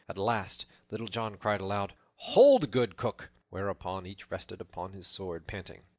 At last Little John cried aloud, "Hold, good Cook!" whereupon each rested upon his sword, panting.